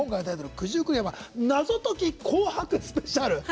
「九十九里浜謎解き紅白スペシャル」。